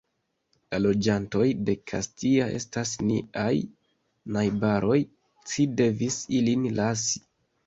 La loĝantoj de Kastia estas niaj najbaroj, ci devis ilin lasi.